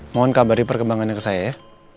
mohon kabari perkembangannya ke saya